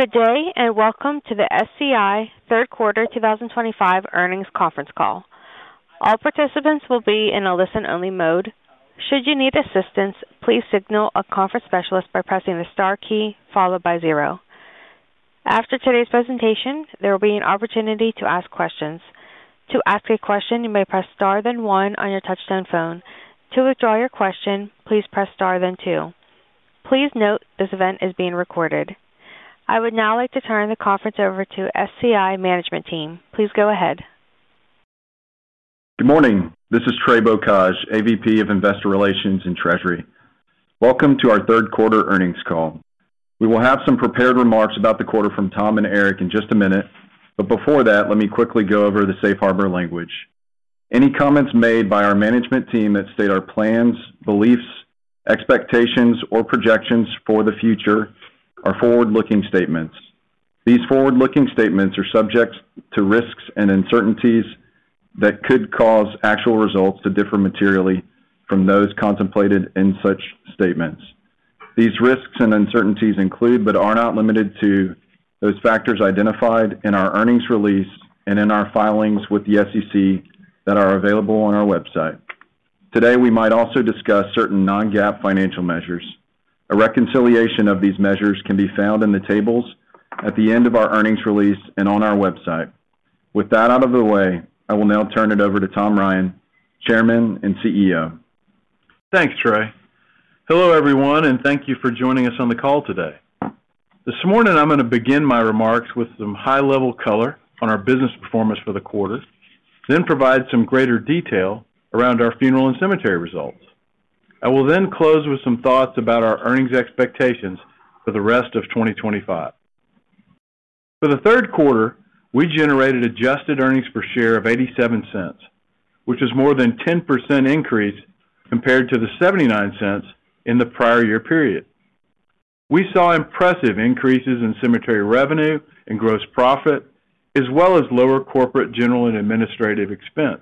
Good day and welcome to the SCI third quarter 2025 earnings conference call. All participants will be in a listen-only mode. Should you need assistance, please signal a conference specialist by pressing the star key followed by zero. After today's presentation, there will be an opportunity to ask questions. To ask a question, you may press star then one on your touch-tone phone. To withdraw your question, please press star then two. Please note this event is being recorded. I would now like to turn the conference over to the SCI management team. Please go ahead. Good morning, this is Trey Bocage, Assistant Vice President of Investor Relations and Treasury. Welcome to our third quarter earnings call. We will have some prepared remarks about the quarter from Tom Ryan and Eric Tanzberger in just a minute, but before that let me quickly go over the safe harbor language. Any comments made by our management team that state our plans, beliefs, expectations, or projections for the future are forward-looking statements. These forward-looking statements are subject to risks and uncertainties that could cause actual results to differ materially from those contemplated in such statements. These risks and uncertainties include, but are not limited to, those factors identified in our earnings release and in our filings with the SEC that are available on our website today. We might also discuss certain non-GAAP financial measures. A reconciliation of these measures can be found in the tables at the end of our earnings release and on our website. With that out of the way, I will now turn it over to Tom Ryan, Chairman and CEO. Thanks Trey, hello everyone and thank you for joining us on the call today. This morning I'm going to begin my remarks with some high-level color on our business performance for the quarter, then provide some greater detail around our funeral and cemetery results. I will then close with some thoughts about our earnings expectations for the rest of 2025. For the third quarter, we generated adjusted earnings per share of $0.87, which is more than a 10% increase compared to the $0.79 in the prior year period. We saw impressive increases in cemetery revenue and gross profit, as well as lower corporate, general, and administrative expense,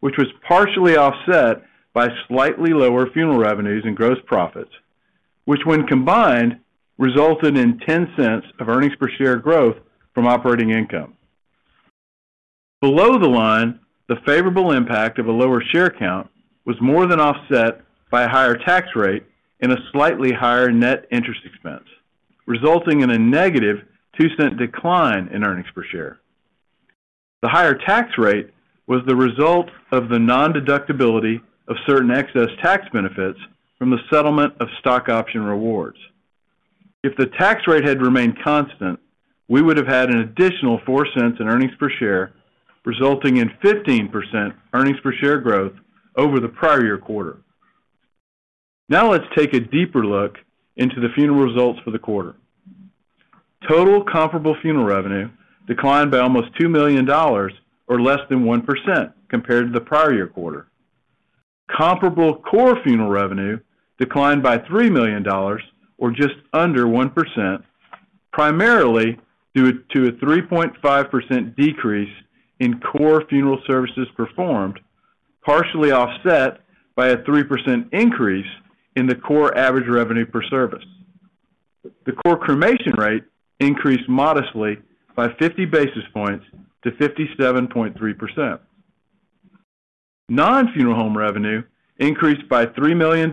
which was partially offset by slightly lower funeral revenues and gross profits. When combined, this resulted in $0.10 of earnings per share growth from operating income below the line. The favorable impact of a lower share count was more than offset by a higher tax rate and a slightly higher net interest expense, resulting in a negative $0.02 decline in earnings per share. The higher tax rate was the result of the non-deductibility of certain excess tax benefits from the settlement of stock option rewards. If the tax rate had remained constant, we would have had an additional $0.04 in earnings per share, resulting in 15% earnings per share growth over the prior year quarter. Now let's take a deeper look into the funeral results for the quarter. Total comparable funeral revenue declined by almost $2 million, or less than 1%, compared to the prior year quarter. Comparable core funeral revenue declined by $3 million, or just under 1%, primarily due to a 3.5% decrease in core funeral services performed, partially offset by a 3% increase in the core average revenue per service. The core cremation rate increased modestly by 50 basis points to 57.3%. Non-funeral home revenue increased by $3 million,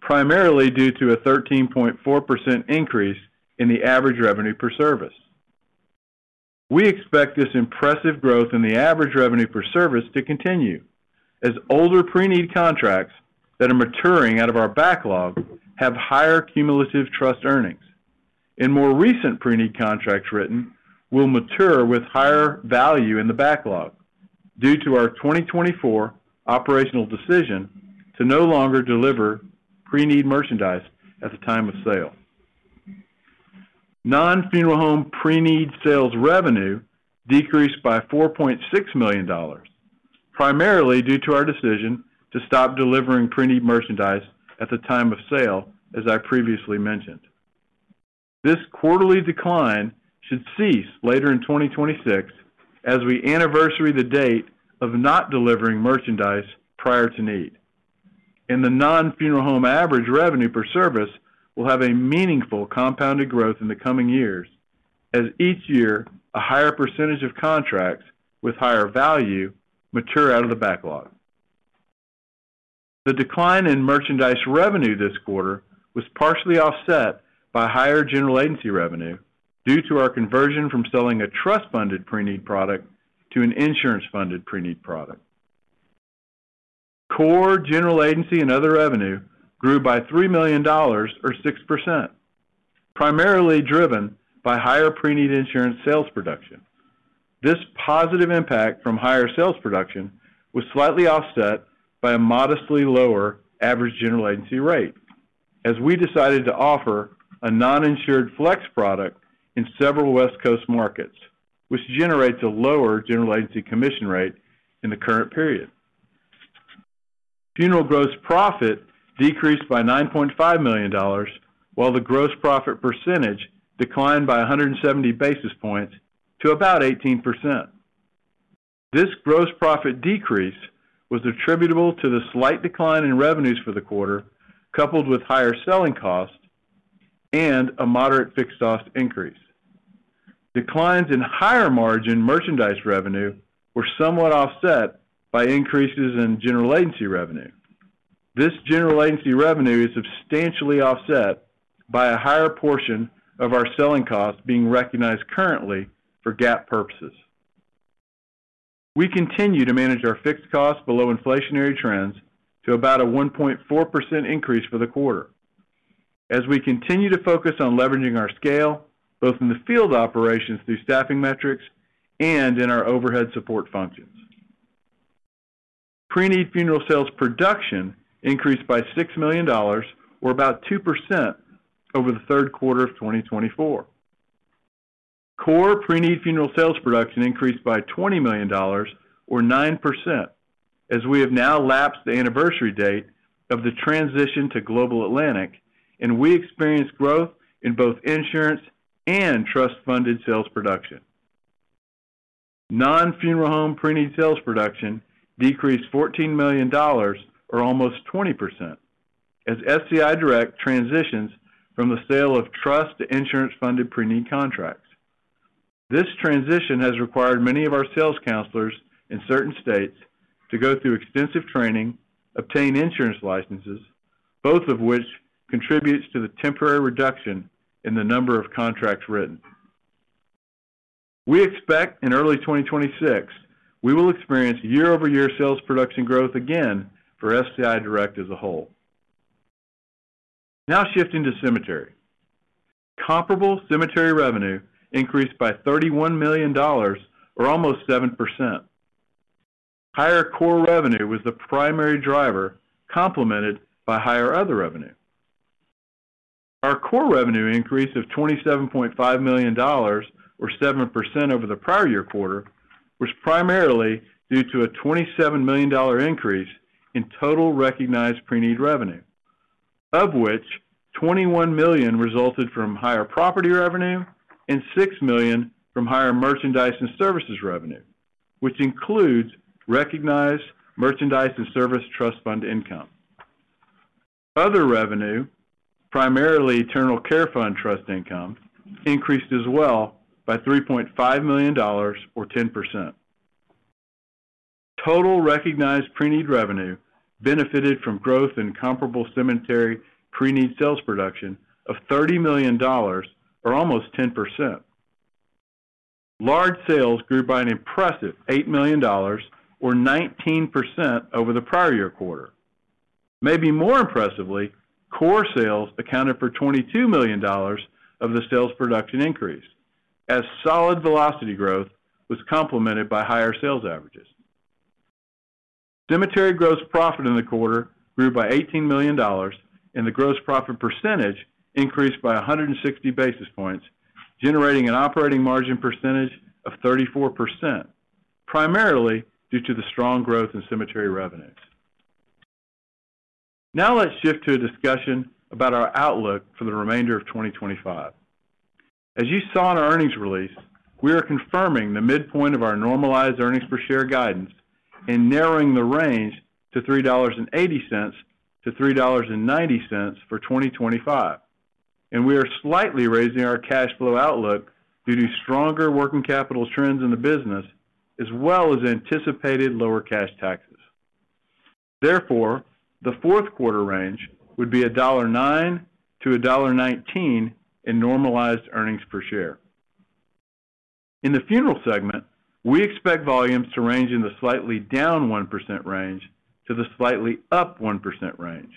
primarily due to a 13.4% increase in the average revenue per service. We expect this impressive growth in the average revenue per service to continue as older preneed contracts that are maturing out of our backlog have higher cumulative trust earnings, and more recent preneed contracts written will mature with higher value in the backlog due to our 2024 operational decision to no longer deliver preneed merchandise at the time of sale. Non-funeral home preneed sales revenue decreased by $4.6 million, primarily due to our decision to stop delivering preneed merchandise at the time of sale. As I previously mentioned, this quarterly decline should cease later in 2026 as we anniversary the date of not delivering merchandise prior to need, and the non-funeral home average revenue per service will have a meaningful compounded growth in the coming years as each year a higher percentage of contracts with higher value mature out of the backlog. The decline in merchandise revenue this quarter was partially offset by higher general agency revenue due to our conversion from selling a trust-funded preneed product to an insurance-funded preneed product. Core general agency and other revenue grew by $3 million or 6%, primarily driven by higher preneed insurance sales production. This positive impact from higher sales production was slightly offset by a modestly lower average general agency rate as we decided to offer a non-insured flex product in several West Coast markets, which generates a lower general agency commission rate. In the current period, funeral gross profit decreased by $9.5 million while the gross profit percentage declined by 170 basis points to about 18%. This gross profit decrease was attributable to the slight decline in revenues for the quarter coupled with higher selling costs and a moderate fixed cost increase. Declines in higher margin merchandise revenue were somewhat offset by increases in general agency revenue. This general agency revenue is substantially offset by a higher portion of our selling costs being recognized. Currently, for GAAP purposes, we continue to manage our fixed costs below inflationary trends to about a 1.4% increase for the quarter as we continue to focus on leveraging our scale both in the field operations, through staffing metrics, and in our overhead support functions. Preneed funeral sales production increased by $6 million or about 2% over the third quarter of 2024. Core preneed funeral sales production increased by $20 million or 9% as we have now lapsed the anniversary date of the transition to Global Atlantic and we experienced growth in both insurance and trust-funded sales production. Non-funeral home preneed sales production decreased $14 million or almost 20% as SCI Direct transitions from the sale of trust to insurance-funded preneed contracts. This transition has required many of our sales counselors in certain states to go through extensive training and obtain insurance licenses, both of which contributes to the temporary reduction in the number of contracts written. We expect in early 2026 we will experience year-over-year sales production growth again for SCI Direct as a whole. Now shifting to cemetery, comparable cemetery revenue increased by $31 million or almost 7%. Higher core revenue was the primary driver, complemented by higher other revenue. Our core revenue increase of $27.5 million or 7% over the prior year quarter was primarily due to a $27 million increase in total recognized preneed revenue, of which $21 million resulted from higher property revenue and $6 million from higher merchandise and services revenue, which includes recognized merchandise and service trust fund income. Other revenue, primarily terminal care fund trust income, increased as well by $3.5 million or 10%. Total recognized preneed revenue benefited from growth in comparable cemetery preneed sales production of $30 million or almost 10%. Large sales grew by an impressive $8 million or 19% over the prior year quarter. Maybe more impressively, core sales accounted for $22 million of the sales production increase as solid velocity growth was complemented by higher sales averages. Cemetery gross profit in the quarter grew by $18 million and the gross profit percentage increased by 160 basis points, generating an operating margin percentage of 34%, primarily due to the strong growth in cemetery revenues. Now let's shift to a discussion about our outlook for the remainder of 2025. As you saw in our earnings release, we are confirming the midpoint of our normalized EPS guidance and narrowing the range to $3.80-$3.90 for 2025, and we are slightly raising our cash flow outlook due to stronger working capital trends in the business as well as anticipated lower cash taxes. Therefore, the fourth quarter range would be $1.09-$1.19 in normalized EPS. In the funeral segment, we expect volumes to range in the slightly down 1% range to the slightly up 1% range,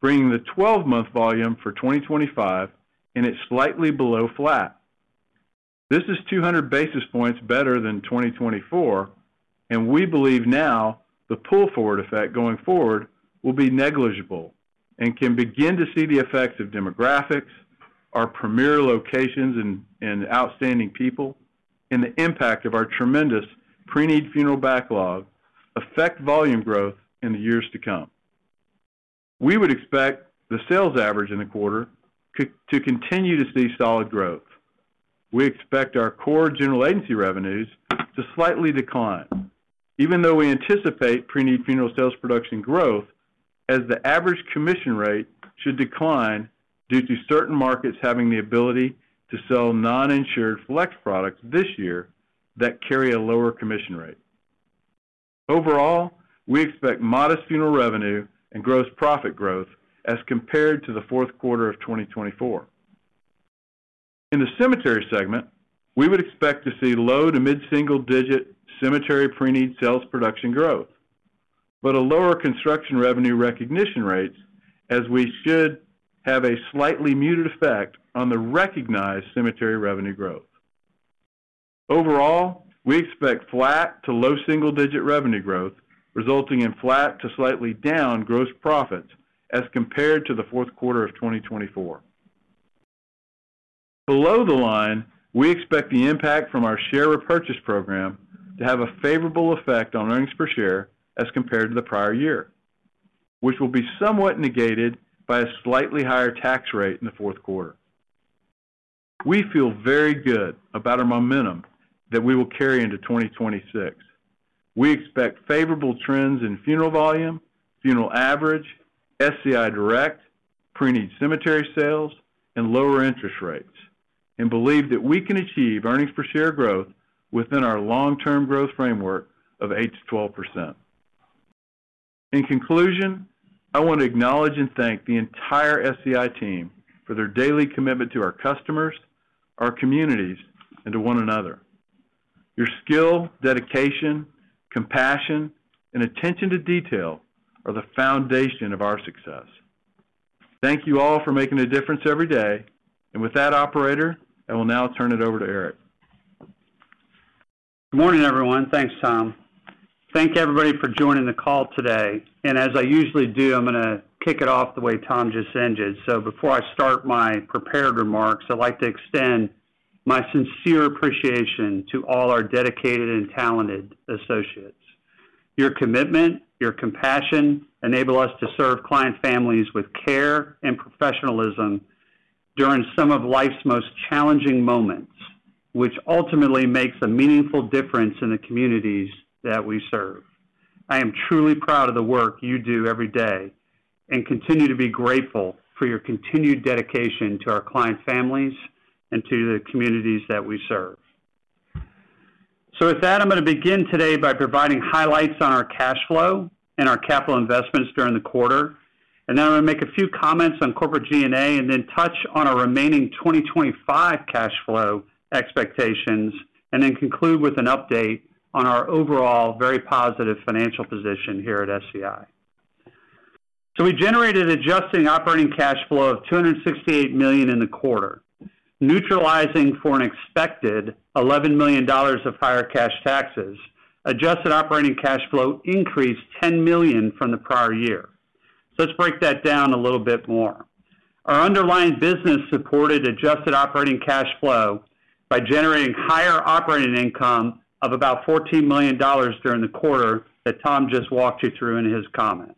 bringing the 12-month volume for 2025 in at slightly below flat. This is 200 basis points better than 2024, and we believe now the pull forward effect going forward will be negligible and can begin to see the effects of demographics, our premier locations and outstanding people, and the impact of our tremendous preneed funeral backlog affect volume growth in the years to come. We would expect the sales average in the quarter to continue to see solid growth. We expect our core general agency revenues to slightly decline even though we anticipate preneed funeral sales production growth as the average commission rate should decline due to certain markets having the ability to sell non-insured flex products this year that carry a lower commission rate. Overall, we expect modest funeral revenue and gross profit growth as compared to the fourth quarter of 2024. In the cemetery segment, we would expect to see low to mid single-digit cemetery preneed sales production growth but a lower construction revenue recognition rate as we should have a slightly muted effect on the recognized cemetery revenue growth. Overall, we expect flat to low single-digit revenue growth resulting in flat to slightly down gross profits as compared to the fourth quarter of 2024. Below the line, we expect the impact from our share repurchase program to have a favorable effect on EPS as compared to the prior year, which will be somewhat negated by a slightly higher tax rate in the fourth quarter. We feel very good about our momentum that we will carry into 2026. We expect favorable trends in funeral volume, funeral average, SCI Direct preneeds, cemetery sales, and lower interest rates and believe that we can achieve EPS growth within our long-term growth framework of 8%-12%. In conclusion, I want to acknowledge and thank the entire SCI team for their daily commitment to our customers, our communities, and to one another. Your skill, dedication, compassion, and attention to detail are the foundation of our success. Thank you all for making a difference every day. With that, operator, I will now turn it over to Eric. Good morning everyone. Thanks Tom. Thank everybody for joining the call today. As I usually do, I'm going to kick it off the way Tom just ended. Before I start my prepared remarks, I'd like to extend my sincere appreciation to all our dedicated and talented associates. Your commitment, your compassion enable us to serve client families with care and professionalism during some of life's most challenging moments, which ultimately makes a meaningful difference in the communities that we serve. I am truly proud of the work you do every day and continue to be grateful for your continued dedication to our client families and to the communities that we serve. With that, I'm going to begin today by providing highlights on our cash flow and our capital investments during the quarter. I'm going to make a few comments on corporate G&A, touch on our remaining 2025 cash flow expectations, and conclude with an update on our overall very positive financial position here at SCI. We generated adjusted operating cash flow of $268 million in the quarter, neutralizing for an expected $11 million of higher cash taxes. Adjusted operating cash flow increased $10 million from the prior year. Let's break that down a little bit more. Our underlying business supported adjusted operating cash flow by generating higher operating income of about $14 million during the quarter that Tom just walked you through in his comments.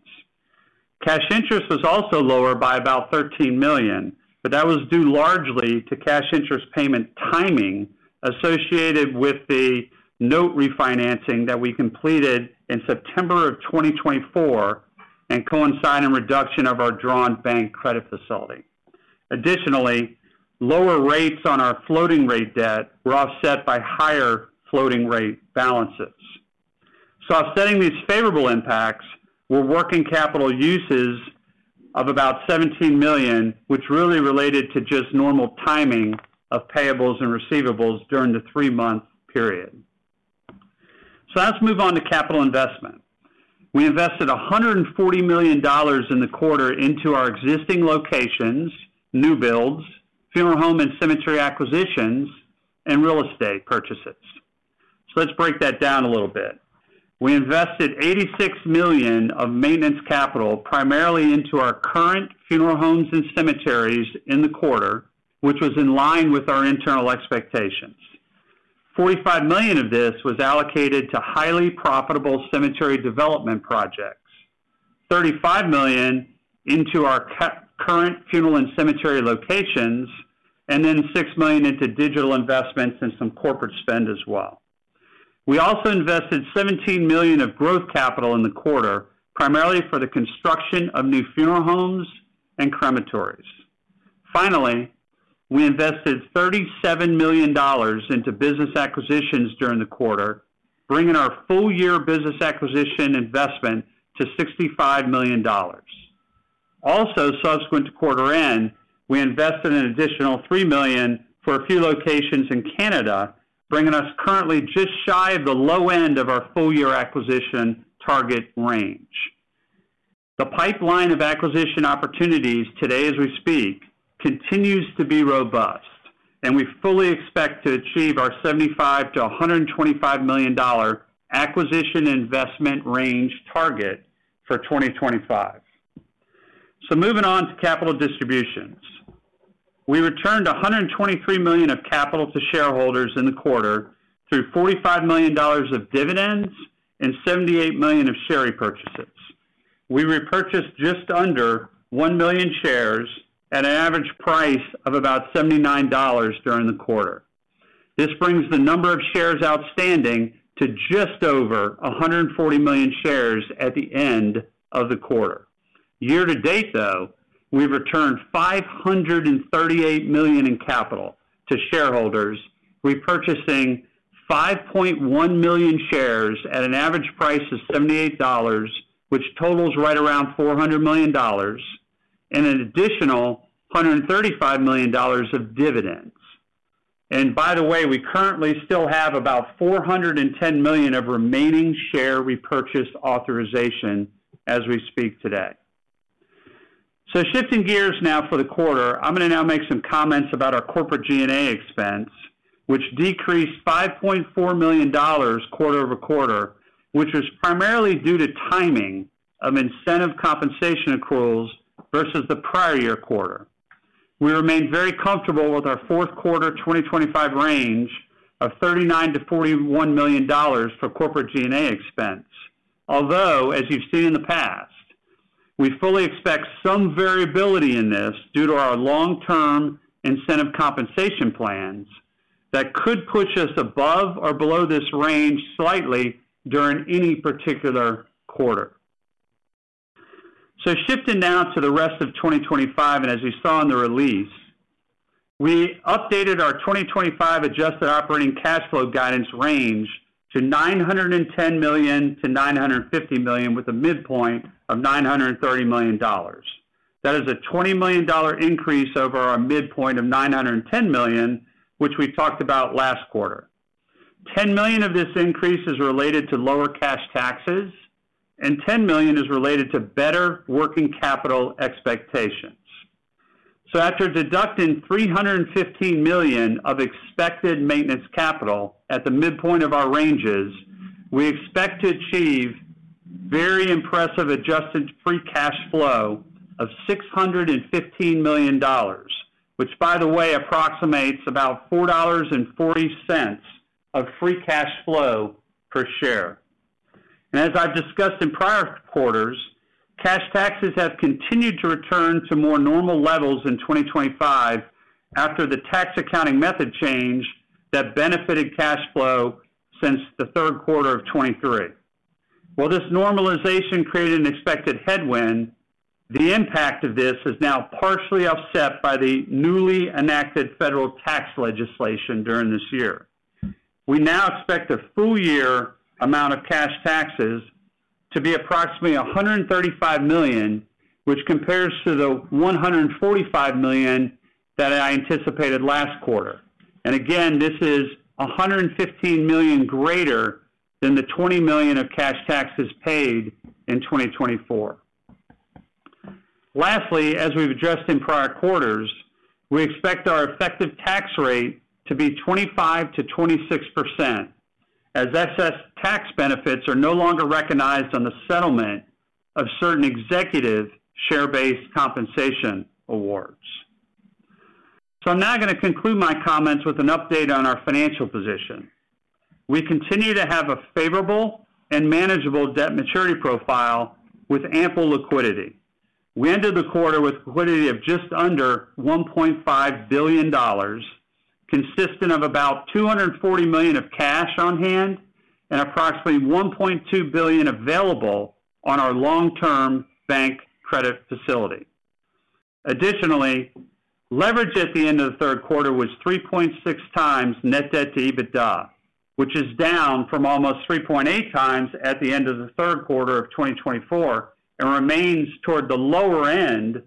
Cash interest was also lower by about $13 million, but that was due largely to cash interest payment timing associated with the note refinancing that we completed in September of 2024 and the coinciding reduction of our drawn bank credit facility. Additionally, lower rates on our floating rate debt were offset by higher floating rate balances. Offsetting these favorable impacts were working capital uses of about $17 million, which really related to just normal timing of payables and receivables during the three-month period. Now let's move on to capital investment. We invested $140 million in the quarter into our existing locations, new builds, funeral home and cemetery acquisitions, and real estate purchases. Let's break that down a little bit. We invested $86 million of maintenance capital primarily into our current funeral homes and cemeteries in the quarter, which was in line with our internal expectations. $45 million of this was allocated to highly profitable cemetery development projects, $35 million into our current funeral and cemetery locations, and then $6 million into digital investments and some corporate spend as well. We also invested $17 million of growth capital in the quarter, primarily for the construction of new funeral homes and crematories. Finally, we invested $37 million into business acquisitions during the quarter, bringing our full year business acquisition investment to $65 million. Also, subsequent to quarter end, we invested an additional $3 million for a few locations in Canada, bringing us currently just shy of the low end of our full year acquisition target range. The pipeline of acquisition opportunities today as we speak continues to be robust, and we fully expect to achieve our $75 million-$125 million acquisition investment range target for 2025. Moving on to capital distributions, we returned $123 million of capital to shareholders in the quarter through $45 million of dividends and $78 million of share repurchases. We repurchased just under 1 million shares at an average price of about $79 during the quarter. This brings the number of shares outstanding to just over 140 million shares at the end of the quarter. Year-to-date, we've returned $538 million in capital to shareholders, repurchasing 5.1 million shares at an average price of $78, which totals right around $400 million, and an additional $135 million of dividends. By the way, we currently still have about $410 million of remaining share repurchase authorization as we speak today. Shifting gears now for the quarter, I'm going to now make some comments about our corporate G&A expense, which decreased $5.4 million quarter-over-quarter, which was primarily due to timing of incentive compensation accruals versus the prior year quarter. We remain very comfortable with our fourth quarter 2025 range of $39 million-$41 million for corporate G&A expense, although as you've seen in the past, we fully expect some variability in this due to our long-term incentive compensation plans that could push us above or below this range slightly during any particular quarter. Shifting now to the rest of 2025, and as you saw in the release, we updated our 2025 adjusted operating cash flow guidance range to $910 million-$950 million with a midpoint of $930 million. That is a $20 million increase over our midpoint of $910 million, which we talked about last quarter. $10 million of this increase is related to lower cash taxes and $10 million is related to better working capital expectations. After deducting $315 million of expected maintenance capital at the midpoint of our ranges, we expect to achieve very impressive adjusted free cash flow of $615 million, which, by the way, approximates about $4.4 of free cash flow per share. As I've discussed in prior quarters, cash taxes have continued to return to more normal levels in 2025 after the tax accounting method change that benefited cash flow since 3Q 2023. While this normalization created an expected headwind, the impact of this is now partially offset by the newly enacted federal tax legislation. During this year, we now expect a full year amount of cash taxes to be approximately $135 million, which compares to the $145 million that I anticipated last quarter. Again, this is $115 million greater than the $20 million of cash taxes paid in 2024. Lastly, as we've addressed in prior quarters, we expect our effective tax rate to be 25%-26% as excess tax benefits are no longer recognized on the settlement of certain executive share-based compensation awards. I'm now going to conclude my comments with an update on our financial position. We continue to have a favorable and manageable debt maturity profile with ample liquidity. We ended the quarter with liquidity of just under $1.5 billion, consisting of about $240 million of cash on hand and approximately $1.2 billion available on our long-term bank credit facility. Additionally, leverage at the end of the third quarter was 3.6x net debt to EBITDA, which is down from almost 3.8x at the end of the third quarter of 2024 and remains toward the lower end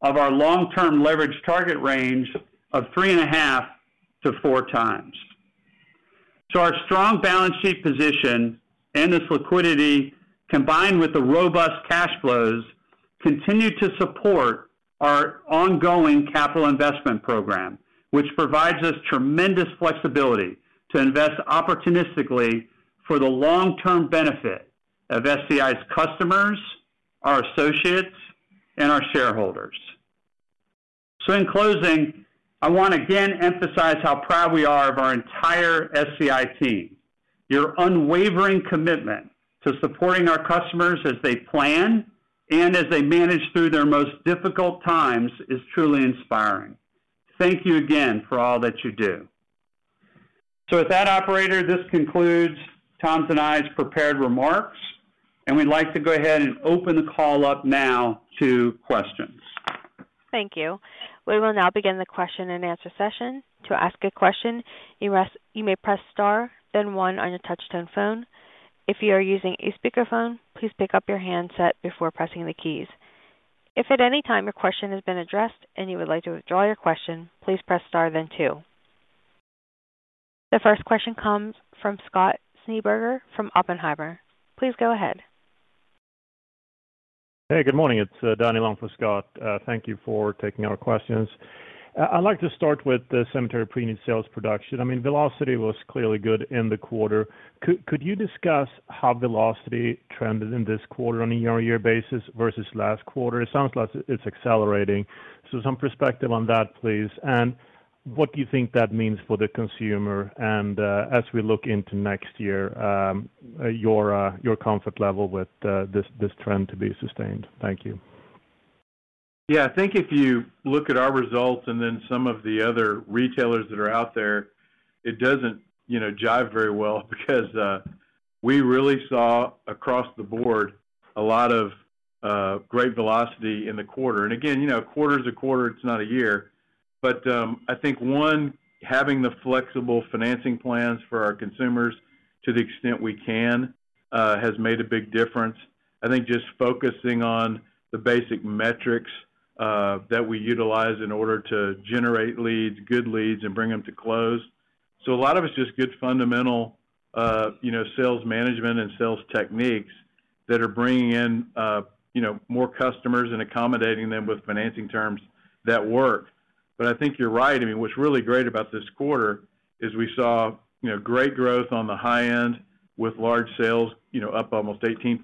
of our long-term leverage target range of 3.5x-4x. Our strong balance sheet position and this liquidity, combined with the robust cash flows, continue to support our ongoing capital investment program, which provides us tremendous flexibility to invest opportunistically for the long-term benefit of SCI's customers, our associates, and our shareholders. In closing, I want to again emphasize how proud we are of our entire SCI team. Your unwavering commitment to supporting our customers as they plan and as they manage through their most difficult times is truly inspiring. Thank you again for all that you do. With that, operator, this concludes Tom's and my prepared remarks and we'd like to go ahead and open the call up now to questions. Thank you. We will now begin the question-and-answer session. To ask a question, you may press Star then one on your touchtone phone. If you are using a speakerphone, please pick up your handset before pressing the keys. If at any time your question has been addressed and you would like to withdraw your question, please press Star then two. The first question comes from Scott Schneeberger from Oppenheimer. Please go ahead. Hey, good morning, it's Donnie on for Scott, thank you for taking our questions. I'd like to start with the cemetery preneed sales production. I mean, velocity was clearly good in the quarter. Could you discuss how velocity trended in this quarter on a year-on-year basis versus last quarter? It sounds like it's accelerating. Some perspective on that please. What do you think that means for the consumer, and as we look into next year, your comfort level with this trend to be sustained? Thank you. Yeah, I think if you look at it. Our results and then some of the other retailers that are out there, it doesn't jive very well because we really saw across the board a lot of great velocity in the quarter. You know, quarter is a. Quarter, it's not a year. I think, one, having the flexible. Financing plans for our consumers. extent we can, has made a big difference. I think just focusing on the basic metrics that we utilize in order to generate leads, good leads, and bring them to close. A lot of it's just good. Fundamental sales management and sales techniques that are bringing in more customers and accommodating them with financing terms that work. I think you're right. What's really great about this quarter is we saw great growth on the high end with large sales up almost 18%.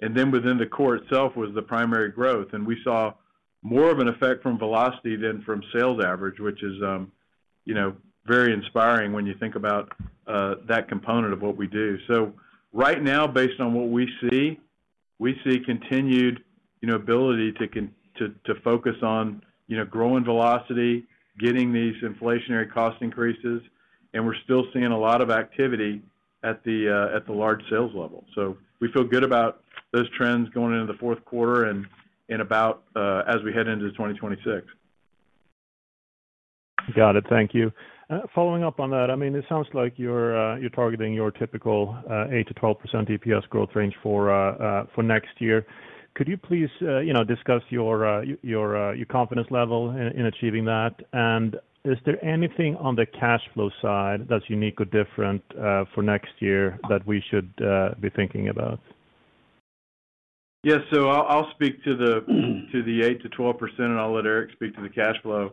Within the core itself was the primary growth. We saw more of an effect. From velocity than from sales average, which is, you know, very inspiring when you think about that component of what we do. Right now, based on what we. We see continued ability to focus on growing velocity, getting these inflationary cost increases, and we're still seeing a lot of activity at the large sales level. We feel good about those trends going into the fourth quarter and as we head into 2026. Got it, thank you. Following up on that, I mean, it sounds like you're targeting your typical 8%-12% EPS growth range for next year. Could you please discuss your confidence level in achieving that? Is there anything on the cash flow side that's unique or different for next year that we should be thinking about? Yes. I'll speak to the 8%-12%, and I'll let Eric speak to. The cash flow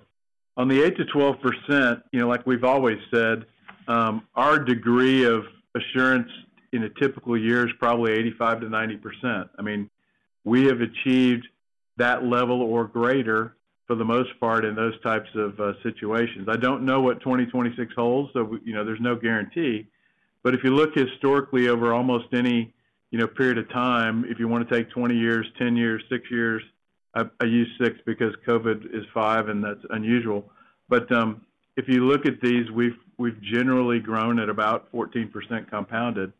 on the 8%-12%. You know, like we've always said, our degree of assurance in a typical year is probably 85%-90%. I mean, we have achieved that level or greater for the most part in those types of situations. I don't know what 2026 holds, so there's no guarantee. If you look historically over almost any period of time, if you want to take 20 years, 10 years, six years, I use six because COVID is five and that's unusual. If you look at these, we've generally grown at about 14% compounded.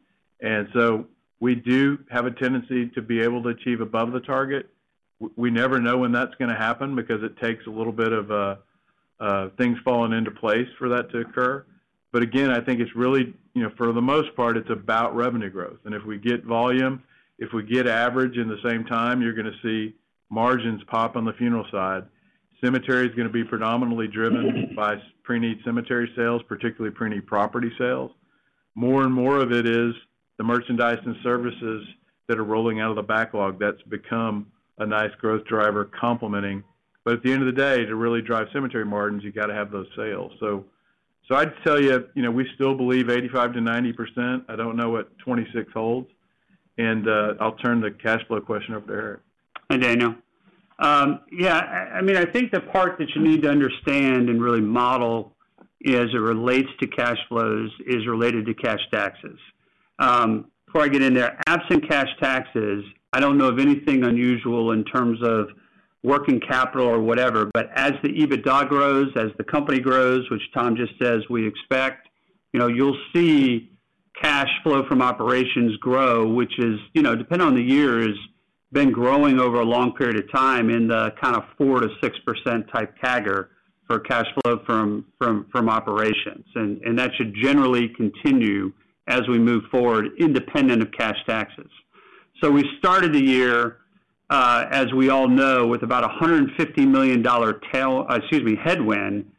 We do have a tendency to be able to achieve above the target. We never know when that's going to happen because it takes a little bit of things falling into place for that to occur. Again, I think it's really, for the most part, it's about revenue growth. If we get volume, if we get average in the same time, you're going to see margins pop. On the funeral side, cemetery is going to be predominantly driven by preneed. Cemetery sales, particularly preneed property sales. More and more of it is the merchandise and services that are rolling out of the backlog. That's become a nice growth driver, complementing. At the end of the day, to really drive cemetery margins, you got to have those sales. I'd tell you we still believe 85%-90%. I don't know what 2026 holds. I'll turn the cash flow question over to Eric. Hi, Donnie. Yeah, I mean, I think the part that you need to understand and really model as it relates to cash flows is related to cash taxes. Before I get in there, absent cash taxes, I don't know of anything unusual in terms of working capital or whatever, but as the EBITDA grows, as the company grows, which Tom just says we expect, you know, you'll see cash flow from operations grow, which is, you know, depending on the year, has been growing over a long period of time in the kind of 4%-6% type CAGR for cash flow from operations. That should generally continue as we move forward independent of cash taxes. We started the year, as we all know, with about $150 million headwind.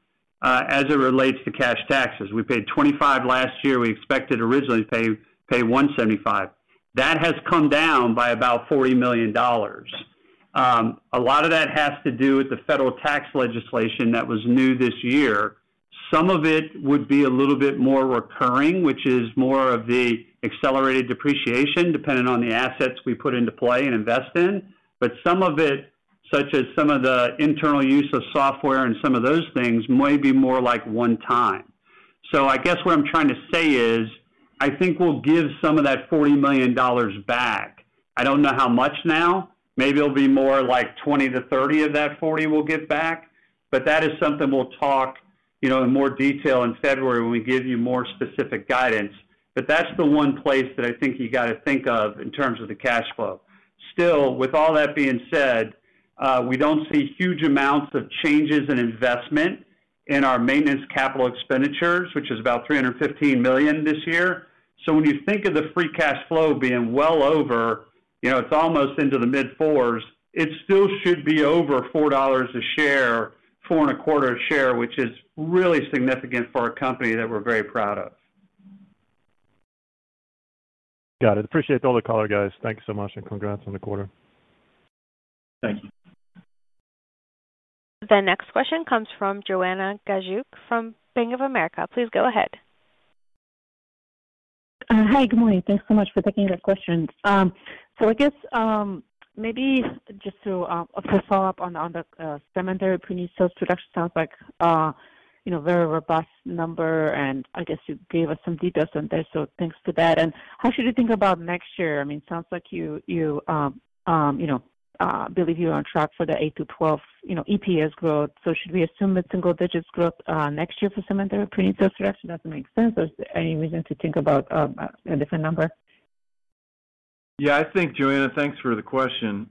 As it relates to cash taxes, we paid $25 million last year. We expected originally to pay $175 million. That has come down by about $40 million. A lot of that has to do with the federal tax legislation that was new this year. Some of it would be a little bit more recurring, which is more of the accelerated depreciation depending on the assets we put into play and invest in. Some of it, such as some of the internal use of software and some of those things, may be more like one time. I guess what I'm trying to say is I think we'll give some of that $40 million back. I don't know how much now. Maybe it'll be more like $20 million-$30 million of that $40 million we'll get back. That is something we'll talk, you know, in more detail in February when we give you more specific guidance. That's the one place that I think you got to think of in terms of the cash flow. Still, with all that being said, we don't see huge amounts of changes in investment in our maintenance capital expenditures, which is about $315 million this year. When you think of the free cash flow being well over, you know, it's almost into the mid fours, it still should be over $4 a share, $4.25 a share, which is really significant for a company that we're very proud of. Got it. Appreciate all the color, guys. Thanks so much and congrats on the quarter. Thank you. The next question comes from Joanna Gajuk from Bank of America. Please go ahead. Hi, good morning. Thanks so much for taking that question. I guess maybe just to follow up on the cemetery preneed sales, it actually sounds like, you know, very robust numbers. I guess you gave us some details on this, so thanks for that. How should you think about next year? I mean it sounds like you believe you're on track for the 8%-12% EPS growth. Should we assume it's single-digit growth next year for cemetery sales reduction? Does that make sense or is there any reason to think about a different number? I think. Joanna, thanks for the question.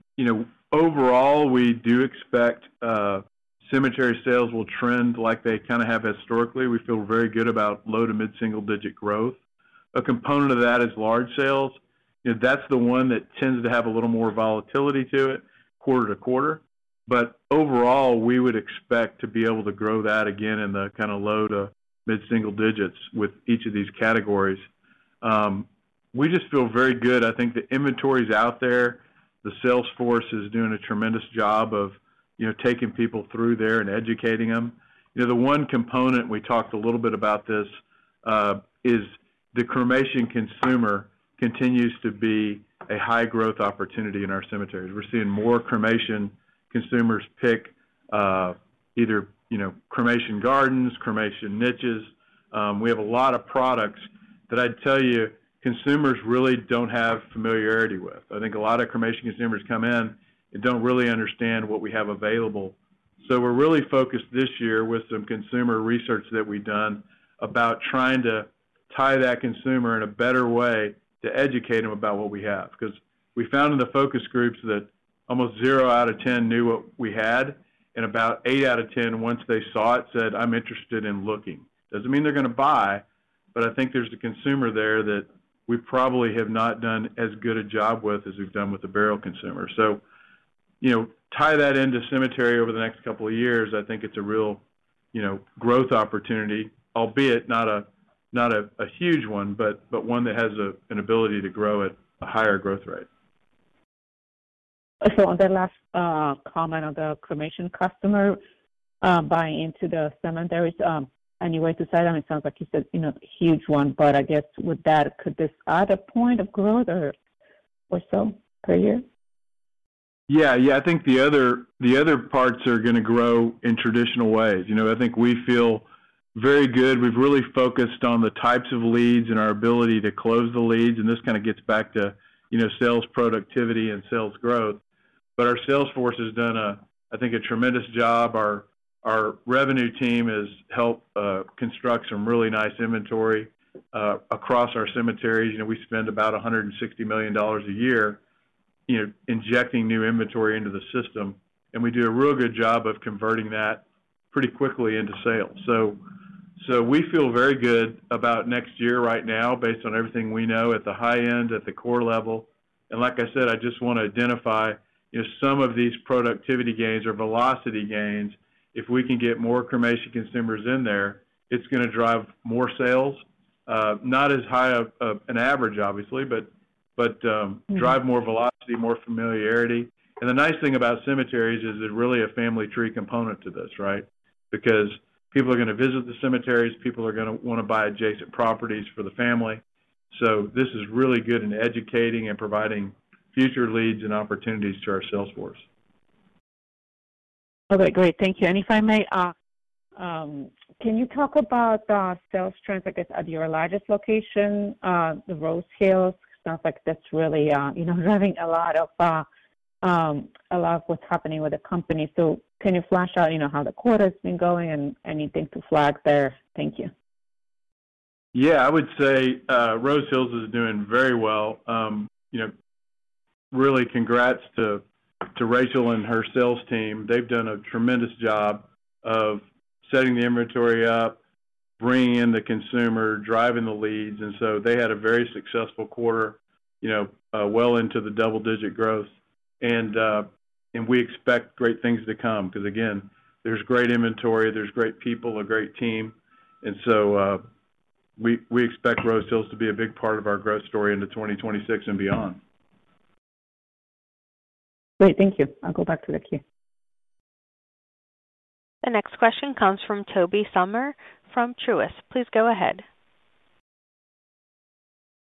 Overall, we do expect cemetery sales will trend like they kind of have. Historically, we feel very good about low to mid single digit growth. A component of that is large sales. That's the one that tends to have. A little more volatility to it quarter to quarter. Overall, we would expect to be. Able to grow that again in the kind of low to mid single digits. With each of these categories, we just feel very good. I think the inventories out there, the sales force is doing a tremendous job of taking people through there and educating them. The one component we talked a little bit about is the cremation consumer continues to be a high growth opportunity. In our cemeteries, we're seeing more cremation consumers pick either cremation gardens or cremation niches. We have a lot of products that I'd tell you consumers really don't have familiarity with. I think a lot of cremation consumers come in and don't really understand what we have available. We're really focused this year with some consumer research that we've done about trying to tie that consumer in a better way to educate them about what we have. We found in the focus groups that almost 0 out of 10 knew what we had and about 8 out of 10, once they saw it, said I'm interested in looking. It doesn't mean they're going to buy. I think there's the consumer there that we probably have not done as good a job with as we've done with the burial consumer. You know, tie that into cemetery over the next couple of years. I think it's a real growth opportunity, albeit not a huge one, but one that has an ability to grow at a higher growth rate. The last comment on the cremation customer buying into the cemetery, there is any way to say that it sounds like it's a huge one, but I guess with that, could this other point of growth or so per year. Yeah, yeah, I think the other parts are going to grow in traditional ways. I think we feel very good. We've really focused on the types of. Leads and our ability to close the leads. This kind of gets back to sales productivity and sales growth. Our sales force has done, I think, a tremendous job. Our revenue team has helped construct some really nice inventory across our cemeteries. We spend about $160 million a year injecting new inventory into the system, and we do a real good job of converting that pretty quickly into sales. We feel very good about next year right now based on everything we know at the high end, at the core level. I just want to identify some of these productivity gains or velocity gains. If we can get more cremation consumers in there, it's going to drive more sales. Not as high an average, obviously, but drive more velocity, more familiarity. The nice thing about cemeteries is it really has a family tree component to this, right, because people are going to visit the cemeteries, people are going to want to buy adjacent properties for the family. This is really good in educating and providing future leads and opportunities to our sales force. Okay, great. Thank you. If I may, can you talk about sales trends, I guess, at your largest location, the Rose Hills, stuff like that's really, you know, driving a lot of what's happening with the company. Can you flash out, you know, how the quota has been going and anything to flag there? Thank you. Yeah, I would say Rose Hills is doing very well. Really, congrats to Rachel and her sales team. They've done a tremendous job of setting the inventory up, bringing in the consumer, driving the leads. They had a very successful quarter, well into the double-digit growth. We expect great things to come because again, there's great inventory, there's great people, a great team. We expect Rose Hills to be a big part of our growth story into 2026 and beyond. Great, thank you. I'll go back to the queue. The next question comes from Tobey Sommer from Truist. Please go ahead.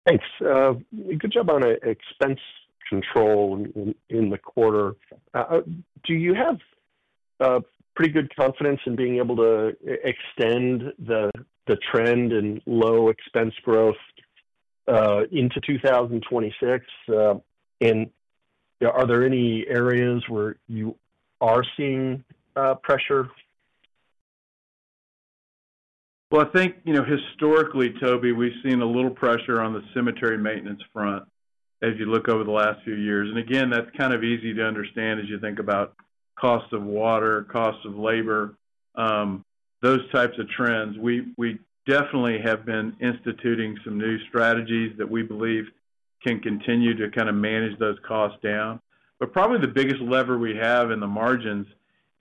Thanks. Good job on expense control in the quarter. Do you have pretty good confidence in being able to extend the trend in low expense growth into 2026, and are there any areas where you are seeing pressure? I think historically, Toby, we've seen a little pressure on the cemetery maintenance front as you look over the last few years. Again, that's kind of easy to understand as you think about cost of water, cost of labor, those types of trends. We definitely have been instituting some new strategies that we believe can continue to kind of manage those costs down. Probably the biggest lever we have in the margins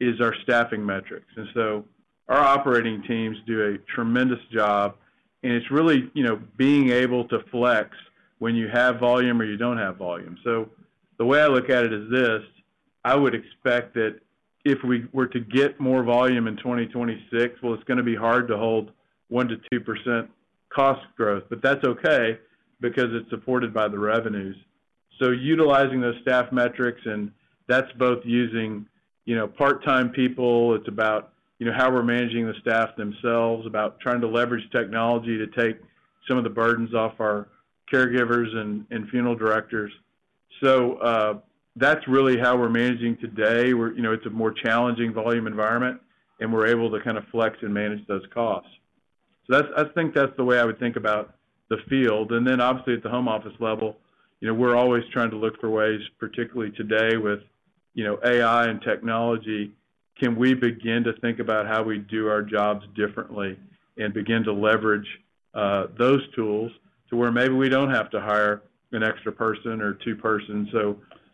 is our staffing metrics. Our operating teams do a tremendous job and it's really being able to flex when you have volume or you don't have volume. The way I look at it is this: I would expect that if we were to get more volume in 2026, it's going to be hard to hold 1%-2% cost growth, but that's okay because it's supported by the revenues. Utilizing those staff metrics, and that's both using part-time people, it's about how we're managing the staff themselves, about trying to leverage technology to take some of the burdens off our caregivers and funeral directors. That's really how we're managing today. It's a more challenging volume environment and we're able to kind of flex and manage those costs. I think that's the way I would think about the field. Obviously at the home office level, we're always trying to look for ways, particularly today with AI and technology, can we begin to think about how we do our jobs differently and begin to leverage those tools to where maybe we don't have to hire an extra person or two persons.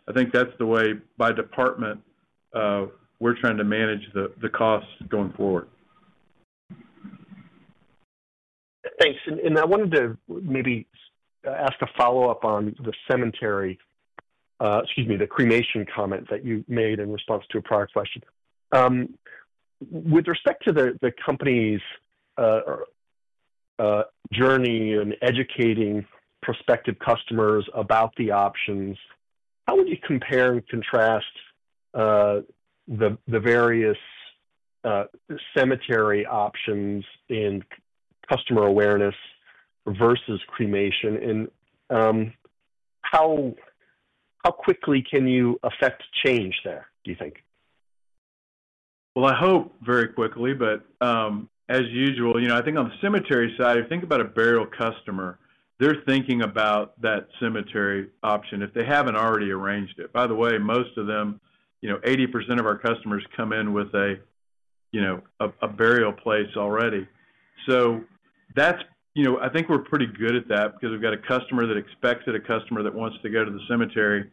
I think that's the way by department we're trying to manage the costs going forward. Thanks. I wanted to maybe ask a follow up on the cemetery, excuse me, the cremation comment that you made in response to a prior question with respect to the company's journey and educating prospective customers about the options. How would you compare and contrast the various cemetery options in customer awareness versus cremation, and how quickly can you affect change there, do you think? I hope very quickly. As usual, I think on the cemetery side, if you think about a burial customer, they're thinking about that cemetery option if they haven't already arranged it. By the way, most of them, you know, 80% of our customers come in with a burial place already. That's, you know, I think we're pretty good at that because we've got a customer that expects it, a customer that wants to go to the cemetery.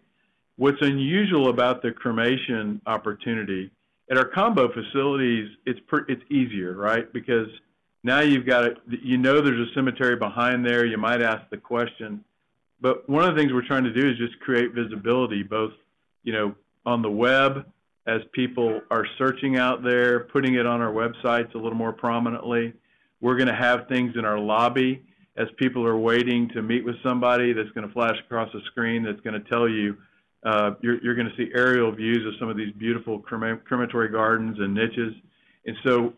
What's unusual about the cremation opportunity at our combo facilities? It's easier, right? Because now you've got, you know, there's a cemetery behind there. You might ask the question. One of the things we're trying. To do is just create visibility both, you know, on the web, as people are searching out there, putting it on our websites a little more prominently. We're going to have things in our lobby as people are waiting to meet with somebody that's going to flash across the screen that's going to tell you you're going to see aerial views of some of these beautiful crematory gardens and niches.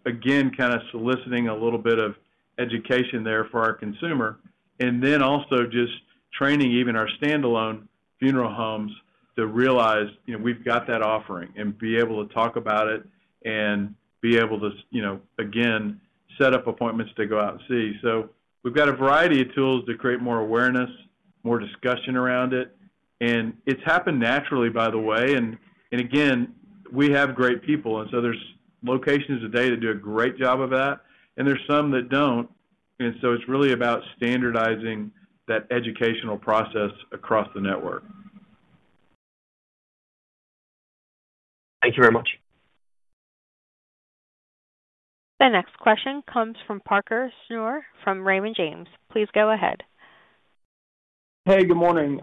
Again, kind of soliciting a little bit of education there for our consumer and then also just training even our standalone funeral homes to realize we've got that offering and be able to talk about it and be able to again set up appointments to go out and see. We've got a variety of tools to create more awareness, more discussion around it. It's happened naturally, by the way. We have great people and so there's locations today that do a great job of that and there's some that don't. It's really about standardizing that educational process across the network. Thank you very much. The next question comes from Parker Snure from Raymond James. Please go ahead. Hey, good morning.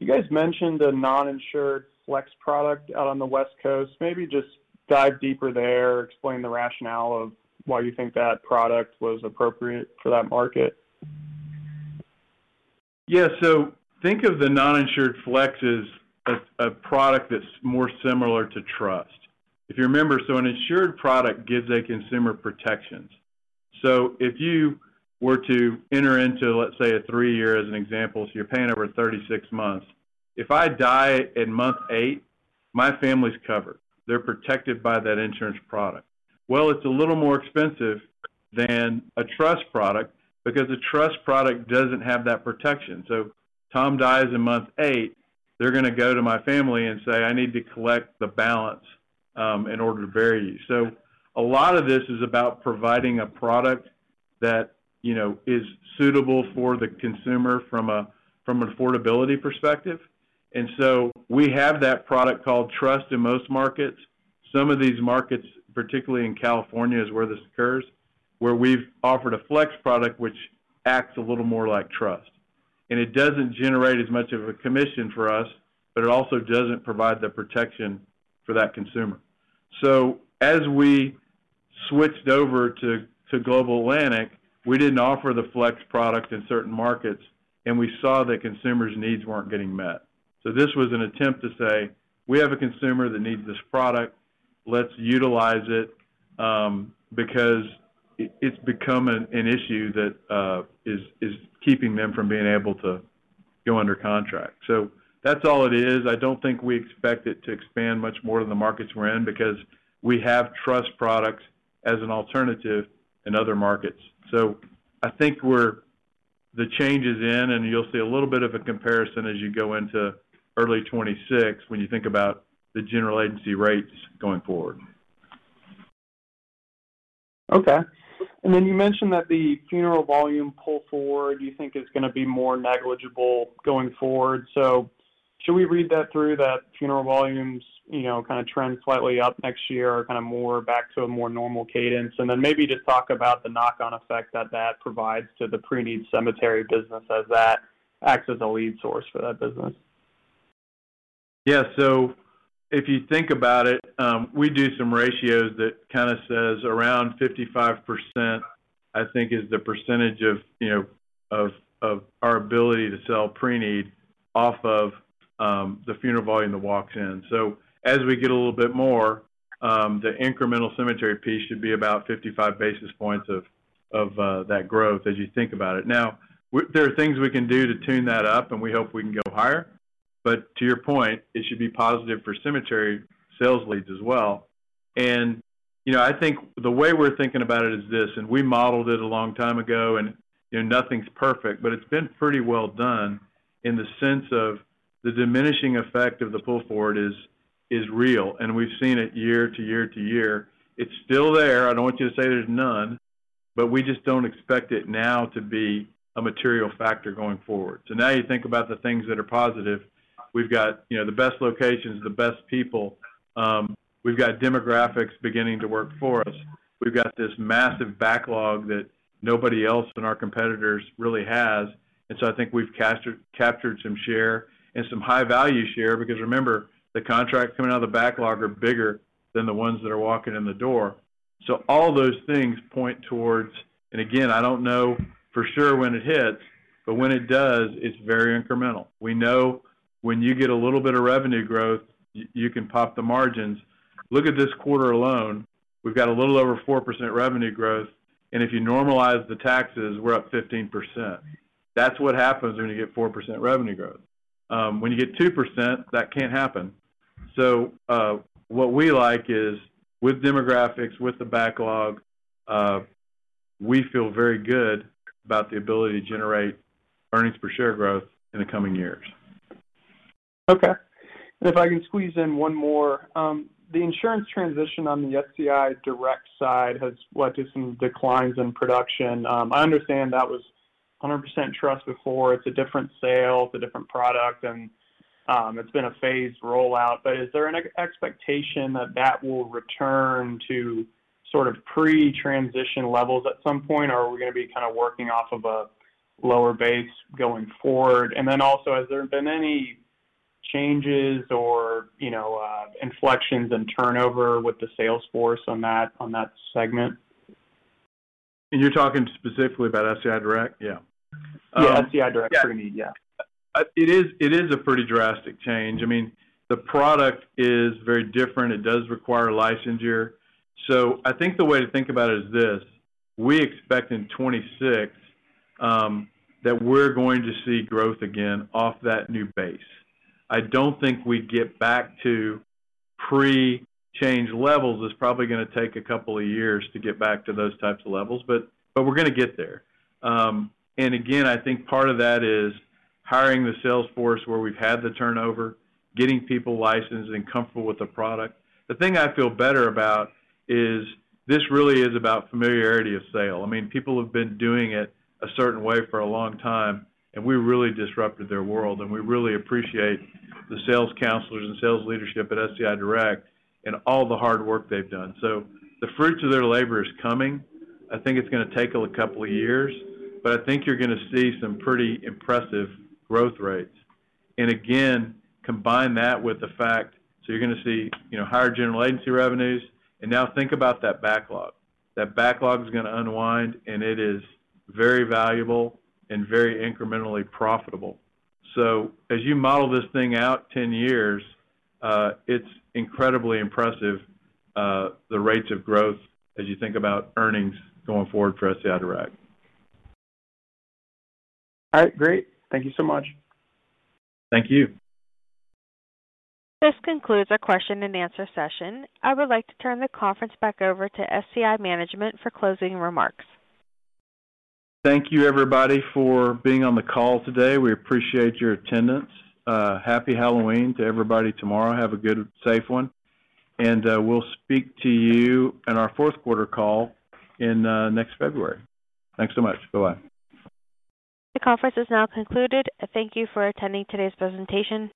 You guys mentioned a non-insured Flex product out on the West Coast. Maybe just dive deeper there. Explain the rationale of why you think that product was appropriate for that market. Yes. Think of the non-insured Flex as a product that's more similar to. Trust, if you remember. An insured product gives a consumer protection. If you were to enter into, let's say, a three-year as an example, you're paying over 36 months. If I die in month eight, my family's covered. They're protected by that insurance product. It's a little more expensive than a trust product because the trust product doesn't have that protection. Tom dies in month eight, they're. going to go to my family and say I need to collect the balance in order to bury you. A lot of this is about providing a product that is suitable for the consumer from an affordability perspective. We have that product called trust in most markets. Some of these markets, particularly in California, is where this occurs, where we've offered a Flex product which acts a little more like trust, and it doesn't generate as much of a commission for us. It also doesn't provide the protection for that consumer. As we switched over to Global Atlantic, we didn't offer the Flex product in certain markets, and we saw that consumers' needs weren't getting met. This was an attempt to say we have a consumer that needs this product, let's utilize it because it's become an issue that is keeping them from being able to go under contract. That's all it is. I don't think we expect it to expand much more than the markets we're in because we have trust products as an alternative in other markets. I think we're the changes in, and you'll see a little bit of a comparison as you go into early 2026 when you think about the general agency rates going forward. Okay. You mentioned that the funeral volume pull forward you think is going to be more negligible going forward. Should we read that as funeral volumes kind of trend slightly up next year, more back to a more normal cadence, and then maybe just talk about the knock-on effect that provides to the preneed cemetery business as it acts as a lead source for that business? Yes. If you think about it, we do some ratios that kind of say around 55% I think is the percentage of, you know, of our ability to sell preneed off of the funeral volume that walks in. As we get a little bit more, the incremental cemetery piece should be about 55 basis points of that growth. As you think about it, there are things we can do to tune that up and we hope we can go higher. To your point, it should be positive for cemetery sales leads as well. I think the way we're thinking about it is this, and we modeled it a long time ago and nothing's perfect, but it's been pretty well done in the sense of the diminishing effect of the pull forward is real and we've seen it year to year to year. It's still there. I don't want you to say there's none. We just don't expect it now. To be a material factor going forward. Now you think about the things that are positive. We've got the best locations, the best people, we've got demographics beginning to work for us. We've got this massive backlog that nobody else in our competitors really has. I think we've captured some share and some high value share. Remember, the contract coming out of the backlog are bigger than the ones that are walking in the door. All those things point towards, and again, I don't know for sure when it hits, but when it does, it's very incremental. We know when you get a little bit of revenue growth, you can pop the margins. Look at this quarter alone, we've got a little over 4% revenue growth and if you normalize the taxes, we're up 15%. That's what happens when you get 4% revenue growth. When you get 2%, that can't happen. What we like is with demographics, with the backlog, we feel very good about the ability to generate earnings per share growth in the coming years. Okay, if I can squeeze in one more. The insurance transition on the SCI Direct side has led to some declines in production. I understand that was 100% trust before. It's a different sale, it's a different product, and it's been a phased rollout. Is there an expectation that that will return to sort of pre-transition levels at some point? Are we going to be kind of working off of a lower base going forward? Also, has there been any changes or, you know, inflections in turnover with the sales force on that segment? You're talking specifically about SCI Direct. Yeah, SCI Direct. It is a pretty drastic change. I mean the product is very different. It does require licensure. I think the way to think about it is this. We expect in 2026 that we're going to see growth again off that new base. I don't think we get back to pre-change levels. It is probably going to take a couple of years to get back to those types of levels, but we're going to get there. I think part of that is hiring the sales force where we've had the turnover, getting people licensed and comfortable with the product. The thing I feel better about is this really is about familiarity of sale. People have been doing it a certain way for a long time and we really disrupted their world. We really appreciate the sales counselors and sales leadership at SCI Direct and all the hard work they've done. The fruits of their labor are coming. I think it's going to take a couple of years, but I think you're going to see some pretty impressive growth rates. Combine that with the fact that you're going to see higher general agency revenues. Now think about that backlog. That backlog is going to unwind and it is very valuable and very incrementally profitable. As you model this thing out 10 years, it's incredibly impressive the rates of growth as you think about earnings going forward for SCI Direct. All right, great. Thank you so much. Thank you. This concludes our question-and-answer session. I would like to turn the conference back over to SCI management for closing remarks. Thank you everybody for being on the call today. We appreciate your attendance. Happy Halloween to everybody tomorrow. Have a good, safe one and we'll speak to you in our fourth quarter call next February. Thanks so much. Bye. Bye. The conference is now concluded. Thank you for attending today's presentation.